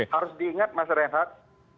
harus diingat mas renhat